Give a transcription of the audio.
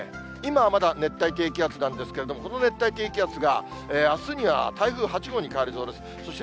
今はまだ熱帯低気圧なんですけれども、この熱帯低気圧が、あすには台風８号に変わりそうです。